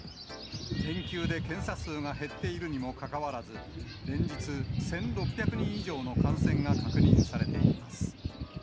連休で検査数が減っているにもかかわらず、連日１６００人以上の感染が確認されています。